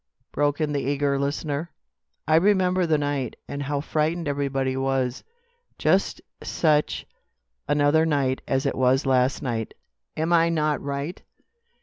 broke in the eager listener. "I remember the night, and how frightened everybody was. Just such another night as it was last night. Am I not right?"